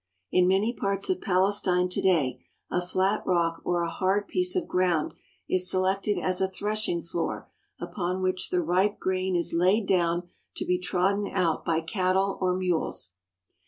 In many parts of Palestine to day a flat rock or a hard piece of ground is selected as a threshing floor upon which the ripe grain is laid down to be trodden out by cattle or mules.